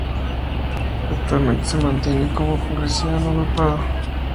Actualmente, se mantiene como congresista no agrupado.